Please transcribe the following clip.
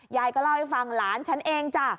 ยายก็เล่าให้ฟังหลานฉันเองจ้ะ